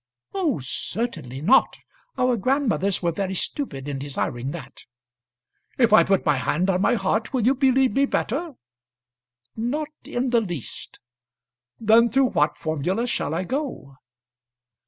"Oh, certainly not. Our grandmothers were very stupid in desiring that." "If I put my hand on my heart will you believe me better?" "Not in the least." "Then through what formula shall I go?"